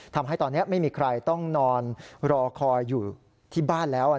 ทำให้ตอนนี้ไม่มีใครต้องนอนรอคอยอยู่ที่บ้านแล้ว